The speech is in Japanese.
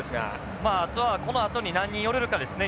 まああとはこのあとに何人寄れるかですね